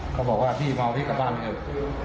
เขาบอกว่าพี่มาเอาพี่กลับบ้านเถอะ